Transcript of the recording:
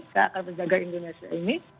saya akan menjaga indonesia ini